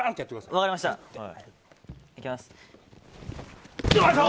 いきます。